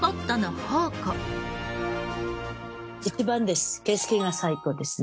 一番です。